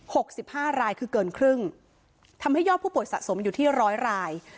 สิบห้ารายคือเกินครึ่งทำให้ยอดผู้ป่วยสะสมอยู่ที่ร้อยราย